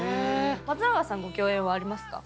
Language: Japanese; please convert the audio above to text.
松永さんご共演はありますか？